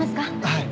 はい。